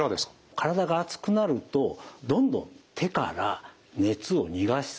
体が熱くなるとどんどん手から熱を逃がす。